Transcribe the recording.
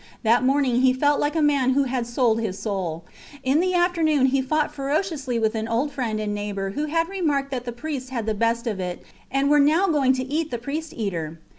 That morning he felt like a man who had sold his soul. In the afternoon he fought ferociously with an old friend and neighbour who had remarked that the priests had the best of it and were now going to eat the priest eater.